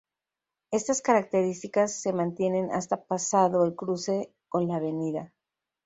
Estas características se mantienen hasta pasado el cruce con la Av.